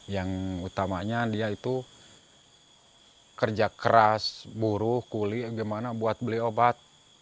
yang utamanya dia itu kerja keras buruh kuli gimana buat beli obat